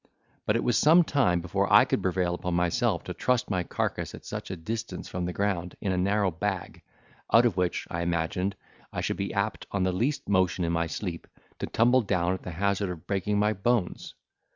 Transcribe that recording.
But it was some time before I could prevail upon myself to trust my carcase at such a distance from the ground, in a narrow bag, out of which, I imagined, I should be apt, on the least motion in my sleep, to tumble down at the hazard of breaking my bones.